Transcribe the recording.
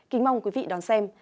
kính mong quý vị đón xem